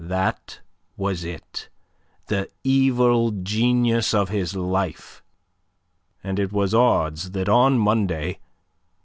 That was it the evil genius of his life! And it was odds that on Monday...